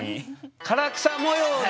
唐草模様で。